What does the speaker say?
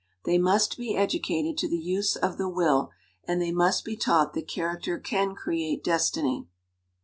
They must be educated to the use of the will, and they must be taught that character can create destiny.